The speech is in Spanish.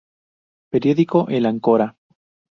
Periódico "El Áncora".